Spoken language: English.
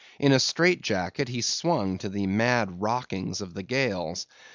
In a strait jacket, he swung to the mad rockings of the gales.